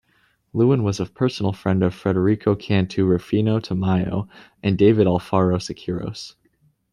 Lewin was a personal friend of Federico Cantu Rufino Tamayo and David Alfaro Siqueiros.